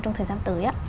trong thời gian tới á